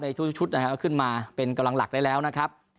ในชุดขึ้นมาเป็นกำลังหลักได้แล้วนะครับ